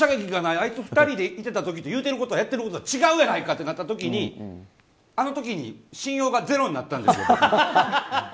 あいつ、２人で言ってた時と言うてることとやってること違うやないかってなった時にあの時に信用がゼロになったんです。